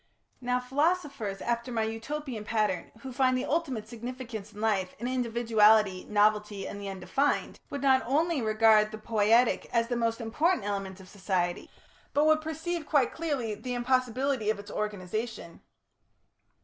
Now philosophers after my Utopian pattern, who find the ultimate significance in life in individuality, novelty and the undefined, would not only regard the poietic element as the most important in human society, but would perceive quite clearly the impossibility of its organisation.